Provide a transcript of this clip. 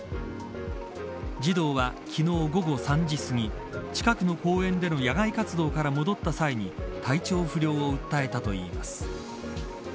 児童は、昨日午後３時すぎ近くの公園での野外活動から戻った際に体調不良を訴えたといいます。